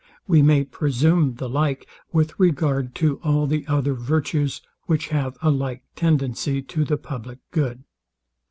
We may presume the like with regard to all the other virtues, which have a like tendency to the public good.